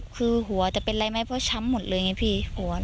คือหัวจะเป็นอะไรไหมเพราะช้ำหมดเลยไงพี่หัว